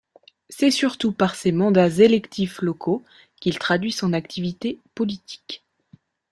C'est surtout par ses mandats électifs locaux qu'il traduit son activité politique.